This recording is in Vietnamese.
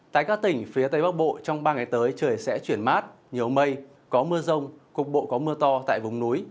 tại các tỉnh phía tây bắc bộ trong ba ngày tới trời sẽ chuyển mát nhiều mây có mưa rông cục bộ có mưa to tại vùng núi